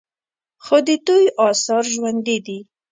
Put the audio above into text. خو د دوی آثار ژوندي دي